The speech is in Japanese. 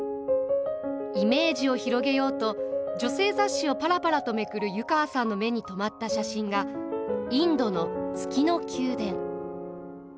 イメージを広げようと女性雑誌をパラパラとめくる湯川さんの目に留まった写真がインドの「月の宮殿」。